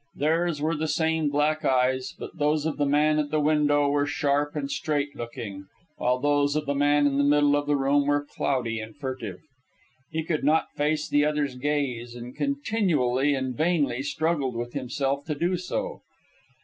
Theirs were the same black eyes, but those of the man at the window were sharp and straight looking, while those of the man in the middle of the room were cloudy and furtive. He could not face the other's gaze, and continually and vainly struggled with himself to do so.